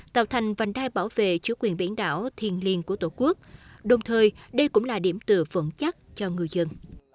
tạo thành vành đai bảo vệ chủ quyền biển đảo thiền liền của tổ quốc đồng thời đây cũng là điểm từ vận chắc cho người dân